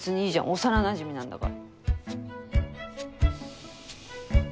幼なじみなんだから。